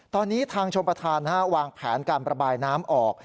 ตอนนี้ทางชมประธานวางแผนการประบายน้ำออก